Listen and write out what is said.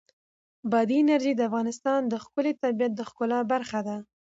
بادي انرژي د افغانستان د ښکلي طبیعت د ښکلا برخه ده.